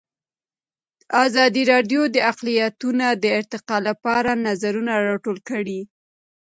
ازادي راډیو د اقلیتونه د ارتقا لپاره نظرونه راټول کړي.